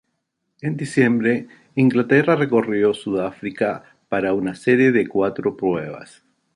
En diciembre, Inglaterra recorrió Sudáfrica para una serie de cuatro pruebas.